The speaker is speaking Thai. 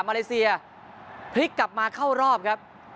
มาเลเซียพลิกกลับมาเข้ารอบครับ